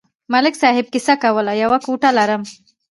ملک صاحب کیسه کوله: یوه کوټه لرم.